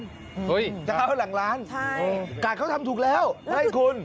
เจ้าหลังร้านกาศเขาทำถูกแล้วให้คุณ